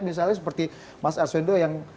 misalnya seperti mas arswendo yang